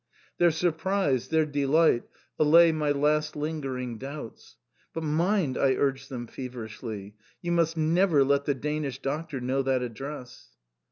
Their surprise, their delight, allay my last lingering doubts. "But mind," I urge them feverishly. "You must never let the Danish Doctor know that address."